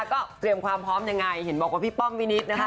ก็เตรียมความพร้อมยังไงเห็นบอกว่าพี่ป้อมวินิตนะคะ